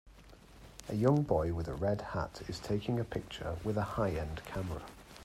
A young boy with a red hat is taking a picture with a highend camera.